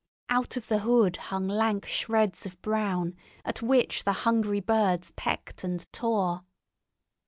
Out of the hood hung lank shreds of brown, at which the hungry birds pecked and tore.